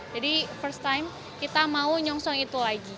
jadi first time kita mau nyongsong itu lagi